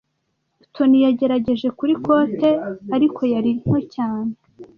Toni yagerageje kuri kote, ariko yari nto cyane.